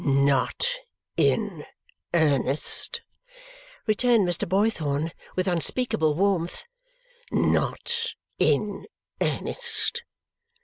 "Not in earnest!" returned Mr. Boythorn with unspeakable warmth. "Not in earnest!